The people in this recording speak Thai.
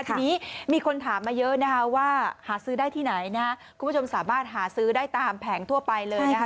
ทีนี้มีคนถามมาเยอะนะคะว่าหาซื้อได้ที่ไหนนะคุณผู้ชมสามารถหาซื้อได้ตามแผงทั่วไปเลยนะคะ